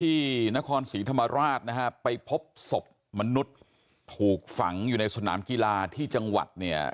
ที่นครศรีธรรมราชนะฮะไปพบศพมนุษย์ถูกฝังอยู่ในสนามกีฬาที่จังหวัดเนี่ย